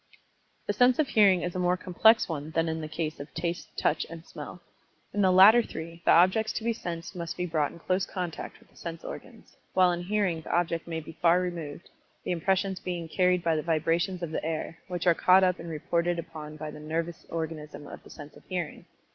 The sense of Hearing is a more complex one than in the case of Taste, Touch and Smell. In the latter three the objects to be sensed must be brought in close contact with the sense organs, while in Hearing the object may be far removed, the impressions being carried by the vibrations of the air, which are caught up and reported upon by the nervous organism of the sense of Hearing.